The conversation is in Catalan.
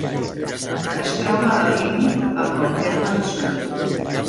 Es troba al límit amb el terme de Súria.